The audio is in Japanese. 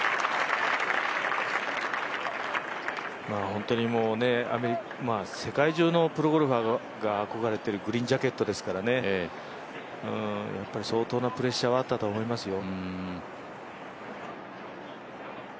本当に世界中のプロゴルファーが憧れているグリーンジャケットですから、相当なプレッシャーはあったと思いますよ。